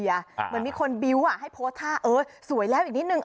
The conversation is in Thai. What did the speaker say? ปากแผงมันหวัดบิ้วให้โพสต์ถ้าเออสวยแล้วอีกนิดหนึ่ง